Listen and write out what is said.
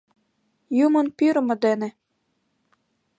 Юмын пӱрымӧ дене.